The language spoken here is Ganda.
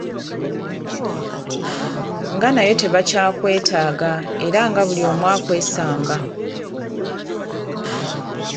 Nga nayo tebakyakwetaaga era nga buli omu akwesamba.